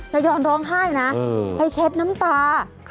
ยายรร้องไห้นะให้เช็บน้ำตา